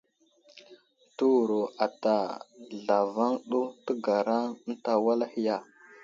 Təwuro ata zlavaŋ ɗu təgara ənta wal ahe ya ?